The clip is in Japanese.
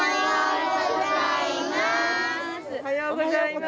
おはようございます。